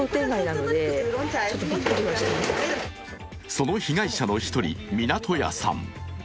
その被害者の１人、湊屋さん。